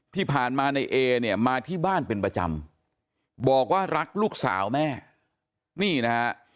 ที่ผ่านมาในเอเนี่ยมาที่บ้านเป็นประจำบอกว่ารักลูกสาวแม่นี่นะฮะ